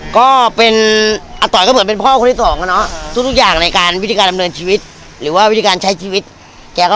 แต่อาต่อยก็เป็นผู้ใหญ่ใช่ไหมคะชีวิตใหม่